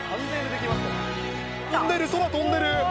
飛んでる、空飛んでる！